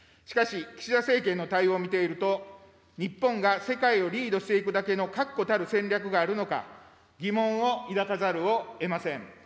しかし、岸田政権の対応を見ていると、日本が世界をリードしていくだけの確固たる戦略があるのか、疑問を抱かざるをえません。